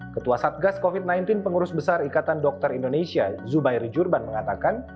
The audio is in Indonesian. ketua satgas covid sembilan belas pengurus besar ikatan dokter indonesia zubairi jurban mengatakan